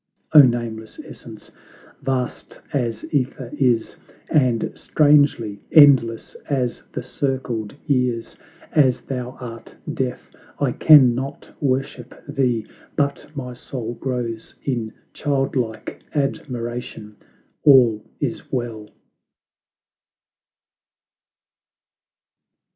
O Nameless Essence, vast as ^ther is, And strangely, endless as the circled years, As thou art deaf, I can not worship thee, But my soul glows in child like admiration: All is well.